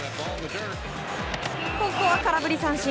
ここは空振り三振。